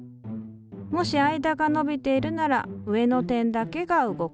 もし間が伸びているなら上の点だけが動く。